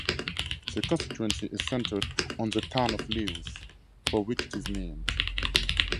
The constituency is centred on the town of Lewes, for which it is named.